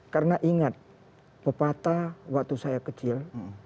karena ingat pepatah waktu saya kecil